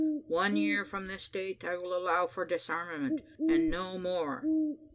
One year from this date will I allow for disarmament and no more.